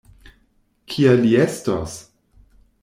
Kia li estos?